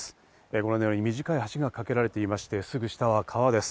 ご覧のように短い橋が架けられていまして、すぐ下は川です。